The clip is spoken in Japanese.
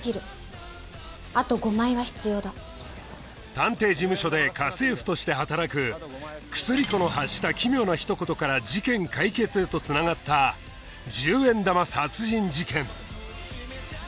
探偵事務所で家政婦として働く薬子の発した奇妙なひと言から事件解決へと繋がった１０円玉殺人事件